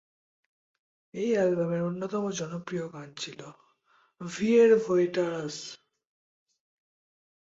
এই অ্যালবামের অন্যতম জনপ্রিয় গান ছিল "ভিয়েরভোয়েটারস"।